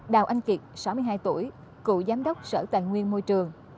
đào anh kiệt sáu mươi hai tuổi cựu giám đốc sở tài nguyên môi trường